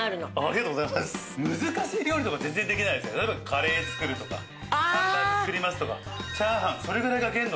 カレー作るとかハンバーグ作りますとかチャーハンそれぐらいが限度で。